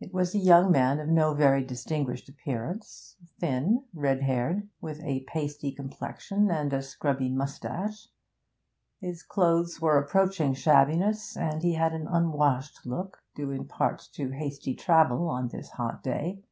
It was a young man of no very distinguished appearance, thin, red haired, with a pasty complexion and a scrubby moustache; his clothes were approaching shabbiness, and he had an unwashed look, due in part to hasty travel on this hot day.